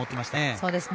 そうですね。